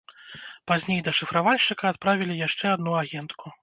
Пазней да шыфравальшчыка адправілі яшчэ адну агентку.